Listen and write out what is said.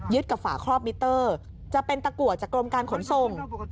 กับฝาครอบมิเตอร์จะเป็นตะกัวจากกรมการขนส่ง